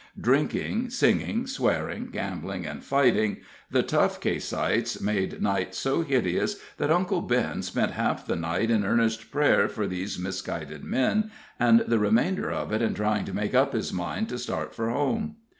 Drinking, singing, swearing, gambling, and fighting, the Tough Caseites made night so hideous that Uncle Ben spent half the night in earnest prayer for these misguided men, and the remainder of it in trying to make up his mind to start for home.